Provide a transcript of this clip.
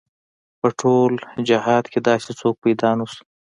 په ټول جهاد کې داسې څوک پيدا نه شو.